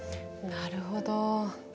なるほど。